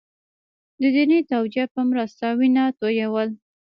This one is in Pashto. د دیني توجیه په مرسته وینه تویول.